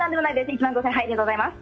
１万５０００円ありがとうございます。